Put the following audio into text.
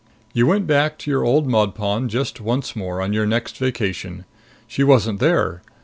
You went back to your old mud pond just once more, on your next vacation. She wasn't there.